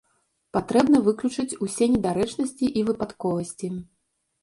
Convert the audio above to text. Патрэбна выключыць усе недарэчнасці і выпадковасці.